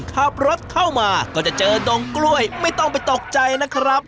ขับรถเข้ามาก็จะเจอดงกล้วยไม่ต้องไปตกใจนะครับ